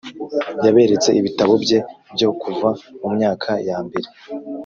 Yaberetse ibitabo bye byo kuva mu myaka ya mbere